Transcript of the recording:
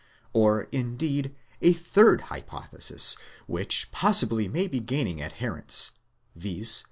Or, indeed, a third hypothesis, which possibly may be gaining adherents, viz.